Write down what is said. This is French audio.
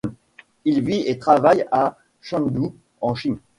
Il vit et travaille à Chengdu en Chine.